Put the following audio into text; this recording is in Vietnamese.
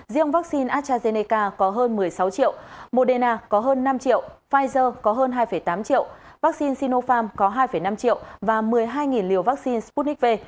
riêng vaccine astrazeneca có hơn một mươi sáu triệu modena có hơn năm triệu pfizer có hơn hai tám triệu vaccine sinopharm có hai năm triệu và một mươi hai liều vaccine sputnik v